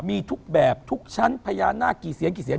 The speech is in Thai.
มีทุกแบบทุกชั้นพญานาคกี่เสียงกี่เสียง